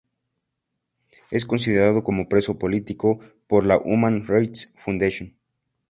Es considerado como preso político por la Human Rights Foundation.